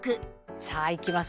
さあいきます。